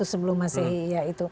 eh enam ratus sebelum masehi ya itu